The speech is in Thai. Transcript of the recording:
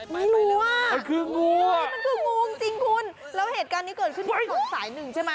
มันคืองูว่ะแล้วเหตุการณ์นี้เกิดขึ้นไปทั้ง๒สายหนึ่งใช่มั้ย